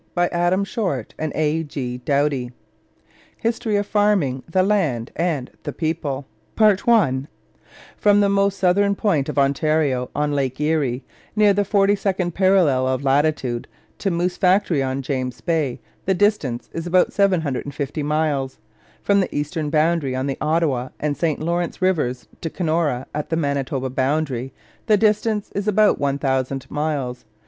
Adam Shortt and Arthur G. Doughty, General Editors HISTORY OF FARMING THE LAND AND THE PEOPLE From the most southern point of Ontario on Lake Erie, near the 42nd parallel of latitude, to Moose Factory on James Bay, the distance is about 750 miles. From the eastern boundary on the Ottawa and St Lawrence Rivers to Kenora at the Manitoba boundary, the distance is about 1000 miles.